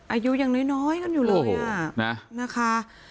อายุยังน้อยกันอยู่เลยอ่ะโอ้โหนะนะค่ะ